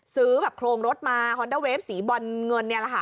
ซื้อแบบโครงรถมาฮอนเดอร์เวฟสีบอลเงินเนี่ยแหละค่ะ